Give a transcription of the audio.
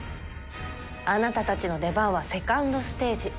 あなたたちの出番はセカンドステージ。